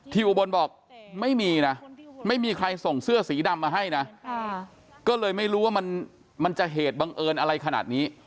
อุบลบอกไม่มีนะไม่มีใครส่งเสื้อสีดำมาให้นะก็เลยไม่รู้ว่ามันจะเหตุบังเอิญอะไรขนาดนี้